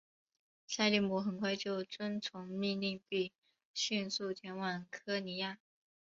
塞利姆很快就遵从命令并迅速前往科尼亚。